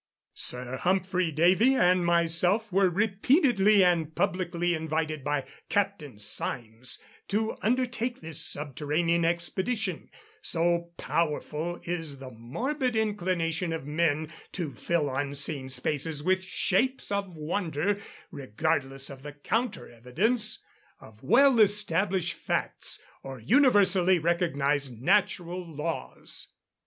Sir Humphry Davy and myself were repeatedly and publicly invited by Captain Symmes to undertake this subterranean expedition; so powerful is the morbid inclination of men to fill unseen spaces with shapes of wonder, regardless of the counter evidence of well established facts, or universally recognised natural laws.